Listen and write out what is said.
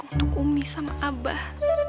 untuk umi sama abah